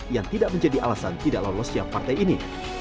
yang tidak menjadi alasan tidak lolos yang partai ini